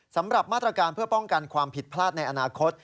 สำหรับมาตรการเพื่อป้องกันความผิดพลาดในอนาคต